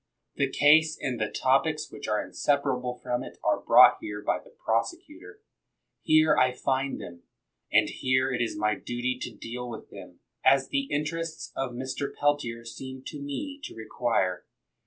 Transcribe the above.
The case and the topics which are inseparable from it are brought here by the prosecutor. Here I find them, and here it is my dutj' to deal with them, as the interests of Mr. Peltier seem to me to require.